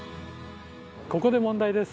ここで問題です。